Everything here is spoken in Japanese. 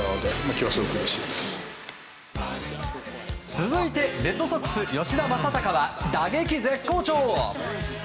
続いて、レッドソックス吉田正尚は打撃絶好調！